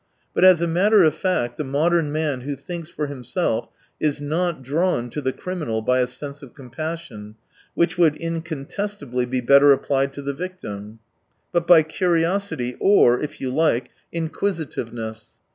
But as a matter of fact the modern man who thinks for himself is not drawn to the crim inal by a sense of compassion, which would incontestably be better applied to the victim, but by curiosity, or if you like, inquisitive 171 ness.